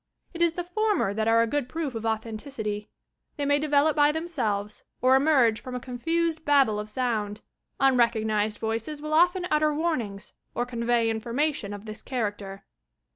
It is the former that are a good proof of authenticity. They may develop by themselves or emerge from a confused babble of sound. Unrecognized voices will often utter warnings or convey information of this character.